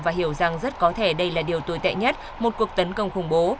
và hiểu rằng rất có thể đây là điều tồi tệ nhất một cuộc tấn công khủng bố